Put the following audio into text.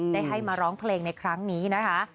ได้ให้มาร้องเพลงในครั้งนี้นะคะ